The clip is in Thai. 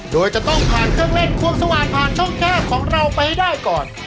โดยจะต้องผ่านเครื่องเล่นควงสว่างผ่านช่อง๙ของเราไปให้ได้ก่อน